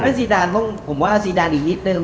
ถ้าซีดานผมว่าซีดานอีกนิดเดิม